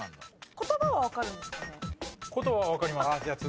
言葉は分かります。